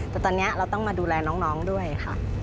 แต่ตอนนี้เราต้องมาดูแลน้องด้วยค่ะ